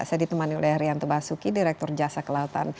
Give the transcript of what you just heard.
saya ditemani oleh rianto basuki direktur jasa kelautan